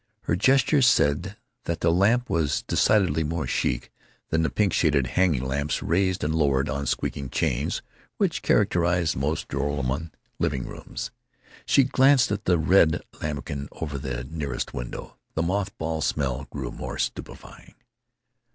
Her gestures said that the lamp was decidedly more chic than the pink shaded hanging lamps, raised and lowered on squeaking chains, which characterized most Joralemon living rooms. She glanced at the red lambrequin over the nearest window. The moth ball smell grew more stupifying.